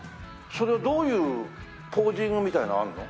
それはどういうポージングみたいのがあるの？